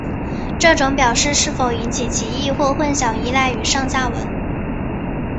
这种表示是否引起歧义或混淆依赖于上下文。